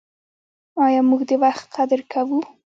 آیا موږ د وخت قدر کوو؟